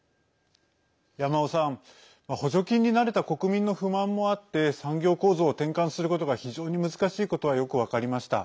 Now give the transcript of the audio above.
山尾さん、補助金に慣れた国民の不満もあって産業構造を転換することが非常に難しいことはよく分かりました。